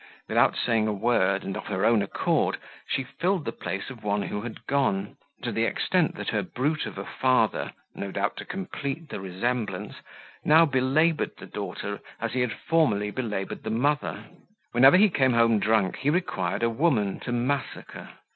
Without saying a word, and of her own accord, she filled the place of one who had gone, to the extent that her brute of a father, no doubt to complete the resemblance, now belabored the daughter as he had formerly belabored the mother. Whenever he came home drunk, he required a woman to massacre.